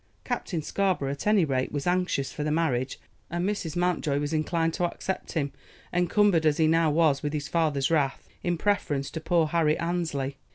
Captain Scarborough, at any rate, was anxious for the marriage, and Mrs. Mountjoy was inclined to accept him, encumbered as he now was with his father's wrath, in preference to poor Harry Annesley.